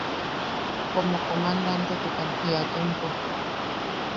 Como comandantetukan jiakimpo.